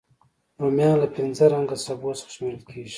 رومیان له پینځه رنګه سبو څخه شمېرل کېږي